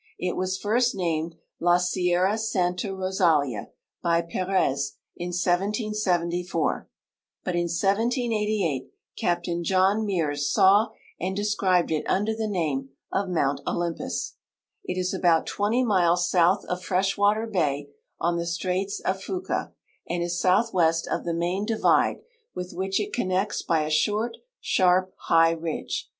It was first named La Sierra Santa Rosalia, by Perez, in 1774, but in 1788 Captain John Hears saw and described it under the name of mount Olynqms. It is about twenty miles south of Freshwater bay on the straits of Fuca, and is southwest of the main divide, with which it connects by a short, sharp, high ridge.